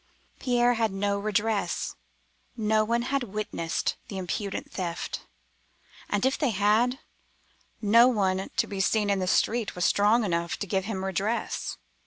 Pierre had no redress; no one had witnessed the impudent theft, and if they had, no one to be seen in the street was strong enough to give him redress.